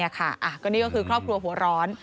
ก็นี่ก็คือครอบครัวหัวร้อน